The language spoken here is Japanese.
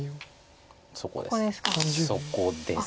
そこです。